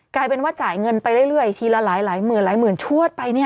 กลายเป็นว่าจ่ายเงินไปเรื่อยทีละหลายหมื่นหลายหมื่นชวดไปเนี่ย